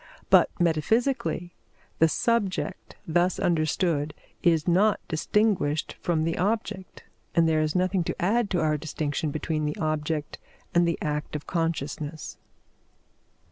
But, metaphysically, the subject thus understood is not distinguished from the object, and there is nothing to add to our distinction between the object and the act of consciousness.